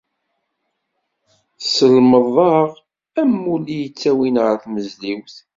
Tsellmeḍ-aɣ am wulli i ttawin ɣer tmezliwt.